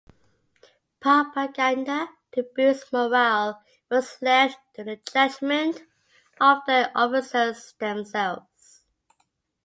Propaganda to boost morale was left to the judgment of the officers themselves.